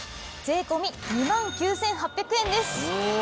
税込２万９８００円です。